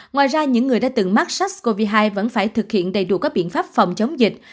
ngoài ra những người đã từng mắc sars cov hai vẫn phải thực hiện đầy đủ các biện pháp phòng chống dịch